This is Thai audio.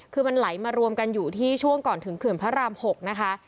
คือมันไหลมารวมกันอยู่ที่ช่วงก่อนถึงเขื่อนพระราม๖นะคะ